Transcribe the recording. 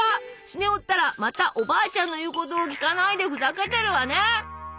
スネ夫ったらまたおばあちゃんの言うことを聞かないでふざけてるわね。